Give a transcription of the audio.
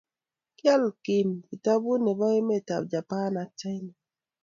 Kiaal Kim kitabut nebo emetab Japan ago china